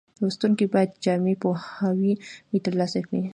لوستونکي باید جامع پوهاوی ترلاسه کړي.